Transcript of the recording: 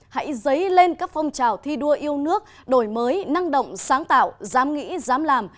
hãy dấy lên các phong trào thi đua yêu nước đổi mới năng động sáng tạo dám nghĩ dám làm